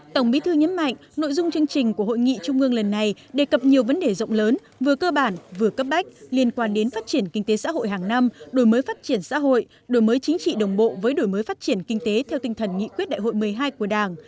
tổng bí thư nhấn mạnh nội dung chương trình của hội nghị trung ương lần này đề cập nhiều vấn đề rộng lớn vừa cơ bản vừa cấp bách liên quan đến phát triển kinh tế xã hội hàng năm đổi mới phát triển xã hội đổi mới chính trị đồng bộ với đổi mới phát triển kinh tế theo tinh thần nghị quyết đại hội một mươi hai của đảng